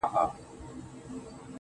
ستا غمونه ستا دردونه زما بدن خوري ,